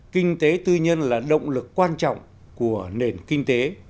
kinh tế tư nhân là động lực quan trọng của nền kinh tế